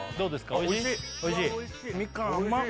おいしい？